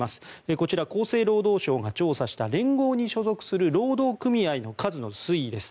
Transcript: こちら、厚生労働省が調査した連合に所属する労働組合の数の推移です。